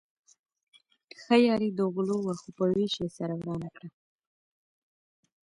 ښه یاري د غلو وه خو په وېش يې سره ورانه کړه.